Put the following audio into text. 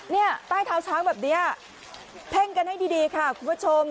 เนี่ยใต้เท้าช้างแบบนี้เพ่งกันให้ดีค่ะคุณผู้ชม